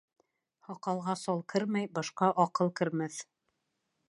Һаҡалға сал кермәй башҡа аҡыл кермәҫ.